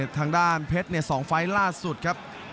ทางด้านเพชร๒ไฟล์ล่าสุดครับ